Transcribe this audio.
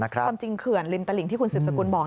ความจริงเผื่อลิ้มตะหลิงที่คุณสึมศักดิ์กูลบอก